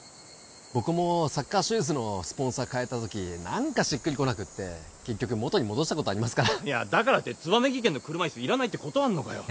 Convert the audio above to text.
僕もサッカーシューズのスポンサーかえた時何かしっくりこなくって結局元に戻したことありますからいやだからってツバメ技研の車いすいらないって断るのかよ